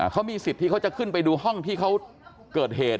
เขามีสิทธิ์ที่เขาจะขึ้นไปดูห้องที่เขาเกิดเหตุ